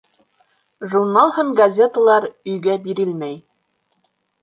Журнал һәм газеталар өйгә бирелмәй.